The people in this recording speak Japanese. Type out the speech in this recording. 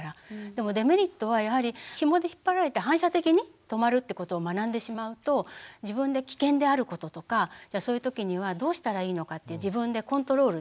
でもデメリットはやはりひもで引っ張られて反射的に止まるってことを学んでしまうと自分で危険であることとかそういう時にはどうしたらいいのかって自分でコントロールする力